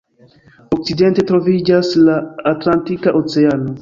Okcidente troviĝas la Atlantika Oceano.